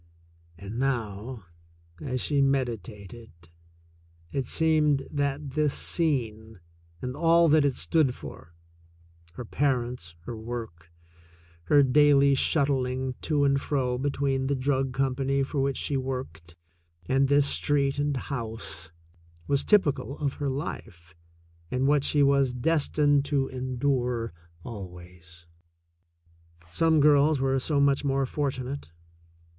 And now, as she meditated, it seemed that this scene, and all that it stood for — her parents, her work, 138 THE SECOND CHOICE her daily shuttling to and fro between the drug com pany for which she worked and this street and house — was typical of her life and what she was destined to endure always. Some girls were so much more fortunate.